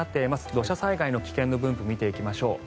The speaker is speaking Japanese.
土砂災害の危険度分布を見ていきましょう。